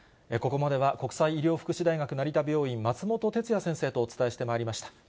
ここまでは国際医療福祉大学成田病院、松本哲哉先生とお伝えしてまいりました。